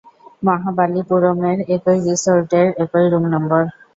মহাবালিপুরমের, একই রিসোর্টের, একই রুম নম্বর।